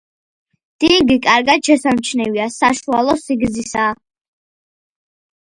დინგი კარგად შესამჩნევია, საშუალო სიგრძისაა.